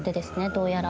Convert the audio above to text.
どうやら。